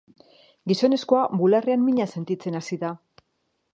Gizonezkoa bularrean mina sentitzen hasi da.